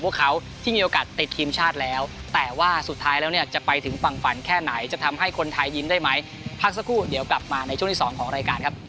โปรดติดตามตอนต่อไป